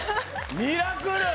ミラクル！